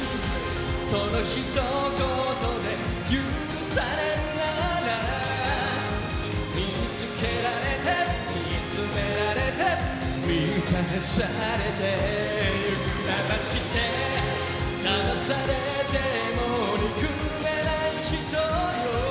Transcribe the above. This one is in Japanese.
その一言で許されるなら見つけられて見つめられて満たされていく騙して騙されても憎めない人よ